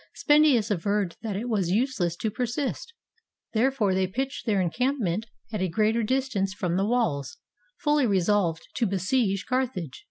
Spendius averred that it was useless to persist; there fore they pitched their encampment at a greater dis tance from the walls, fully resolved to besiege Carthage.